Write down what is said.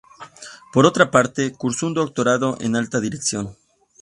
Por otra parte, cursó un doctorado en Alta Dirección.